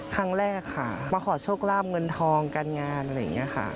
ครั้งแรกค่ะมาขอโชคลาบเงินทองการงานอะไรอย่างนี้ค่ะ